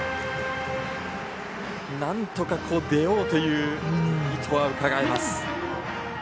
なんとか出ようという意図はうかがえます。